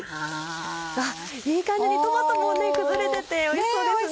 うわいい感じにトマトも崩れてておいしそうですね。